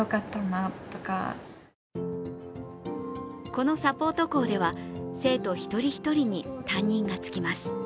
このサポート校では生徒一人一人に担任がつきます。